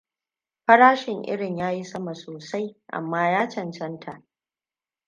Farshin irin ya yi sama sosai, amma ya cancanta.